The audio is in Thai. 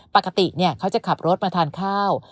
ปกติเขาจะขับรถมาทานข้าว